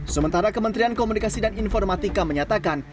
sementara kementerian komunikasi dan informatika menyatakan